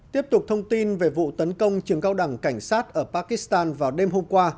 tiếp tục thông tin về vụ tấn công trường cao đẳng cảnh sát ở pakistan vào đêm hôm qua